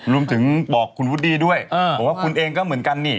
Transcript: รวมถึงบอกคุณวุฒิดีด้วยผมก็ค่ะคุณเองก็เหมือนกันนี่